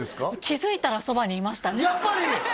気づいたらそばにいましたやっぱり！